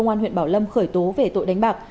công an huyện bảo lâm khởi tố về tội đánh bạc